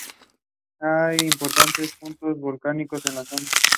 Hay importante puntos volcánicos en la zona.